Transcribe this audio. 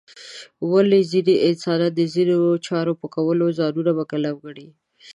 ولې ځینې انسانان د ځینو چارو په کولو ځانونه مکلف ګڼي؟